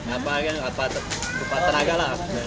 apa yang terlalu tenaga lah